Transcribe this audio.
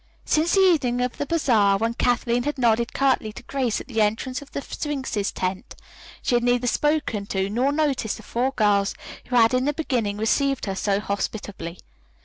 Since the evening of the bazaar, when Kathleen had nodded curtly to Grace at the entrance to the Sphinx's tent, she had neither spoken to nor noticed the four girls who had in the beginning received her so hospitably.